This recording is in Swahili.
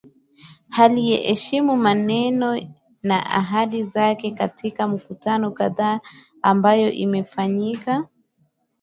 Aliyeheshimu maneno na ahadi zake katika mikutano kadhaa ambayo imefanyika."